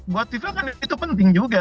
buat fifa kan itu penting juga